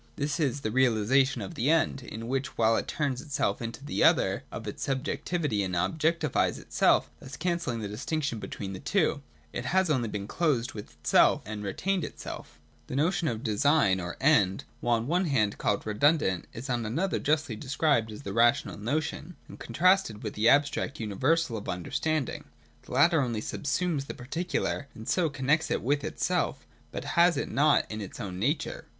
This is the realisation of the End : in which, while it turns itself into the other of its subjec tivity and objectifies itself, thus cancelling the distinc tion between the two, it has only closed with itself, and retained itself The notion of Design or End, while on one hand called redundant, is on another justly described as the rational notion, and contrasted with the abstract uni versal of understanding. The latter only subsumes the particular, and so connects it with itself: but has it not in its own nature.